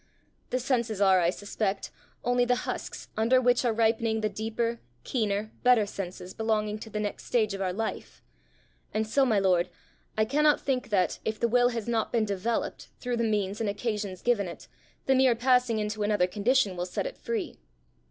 The senses are, I suspect, only the husks under which are ripening the deeper, keener, better senses belonging to the next stage of our life; and so, my lord, I cannot think that, if the will has not been developed through the means and occasions given it, the mere passing into another condition will set it free.